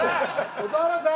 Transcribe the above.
蛍原さん！